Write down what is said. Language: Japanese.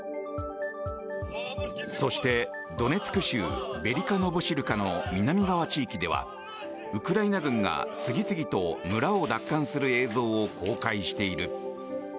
そして、ドネツク州ベリカ・ノボシルカの南側地域ではウクライナ軍が次々と村を奪還する映像を公開している。